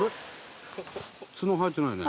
「ツノ生えてないね」